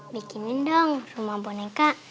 bikinin dong rumah boneka